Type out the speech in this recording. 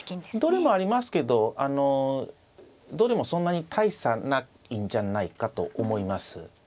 どれもありますけどあのどれもそんなに大差ないんじゃないかと思います。